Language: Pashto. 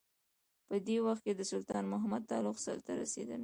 په دې وخت کې د سلطان محمد تغلق سلطه رسېدلې.